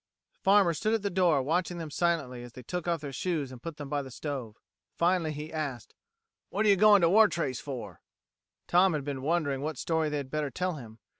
The farmer stood at the door, watching them silently as they took off their shoes and put them by the stove. Finally he asked, "What are you going to Wartrace for?" Tom had been wondering what story they had better tell him.